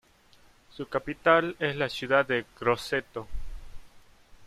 Su capital es la ciudad de Grosseto.